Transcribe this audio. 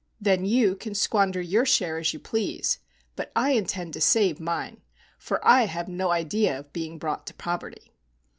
Then you can squander your share as you please, but I intend to save mine, for I have no idea of being brought to poverty."